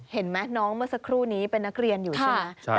เห็นไหมน้องเมื่อสักครู่นี้เป็นนักเรียนอยู่ใช่ไหม